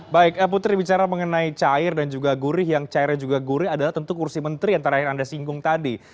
baik putri bicara mengenai cair dan juga gurih yang cairnya juga gurih adalah tentu kursi menteri yang terakhir anda singgung tadi